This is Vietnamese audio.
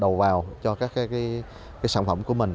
đầu vào cho các cái sản phẩm của mình